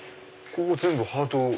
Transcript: これも全部ハート。